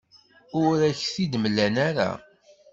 Ur ak-t-id-mlan ara.